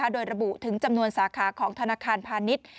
โดยระบุถึงจำนวนสาขาของธนาคารพาณิชย์